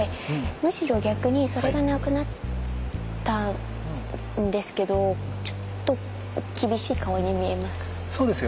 むしろ逆にそれがなくなったんですけどちょっと厳しい顔に見えます。